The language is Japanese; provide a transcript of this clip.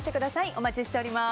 お待ちしております。